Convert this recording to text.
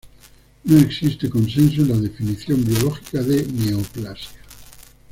No existe consenso en la definición biológica de neoplasia.